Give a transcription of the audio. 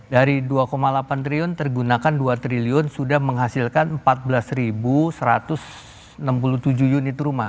dari dua delapan triliun tergunakan dua triliun sudah menghasilkan empat belas satu ratus enam puluh tujuh unit rumah